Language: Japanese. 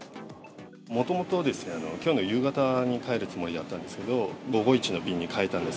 もともと、きょうの夕方に帰るつもりだったんですけど、午後一の便に替えたんです。